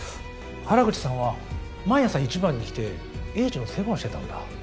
原口さんは毎朝一番に来て栄治の世話をしてたんだ。